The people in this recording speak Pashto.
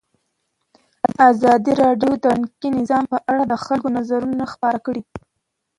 ازادي راډیو د بانکي نظام په اړه د خلکو نظرونه خپاره کړي.